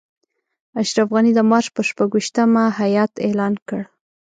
اشرف غني د مارچ پر شپږویشتمه هیات اعلان کړ.